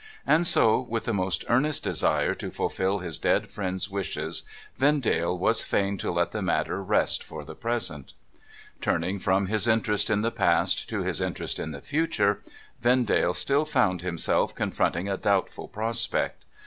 And so, with the most earnest desire to fulfil his dead friend's wishes, Vendale was fain to let the matter rest for the present. Turning from his interest in the past to his interest in the future, Vendale still found himself confronting a doubtful prospect.